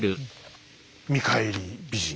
見返り美人。